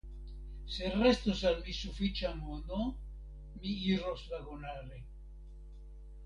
Se restos al mi sufiĉa mono, mi iros vagonare.